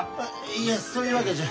いえそういうわけじゃ。